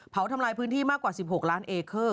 ทำลายพื้นที่มากกว่า๑๖ล้านเอเคอร์